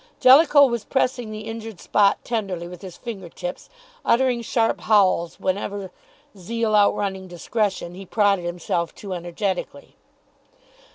Jellicoe was pressing the injured spot tenderly with his finger tips, uttering sharp howls whenever, zeal outrunning discretion, he prodded himself too energetically.